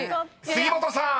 ［杉本さん